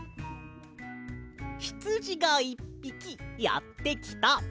「ひつじが１ぴきやってきた。